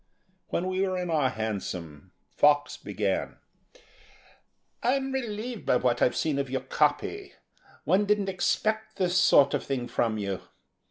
When we were in our hansom, Fox began: "I'm relieved by what I've seen of your copy. One didn't expect this sort of thing from you.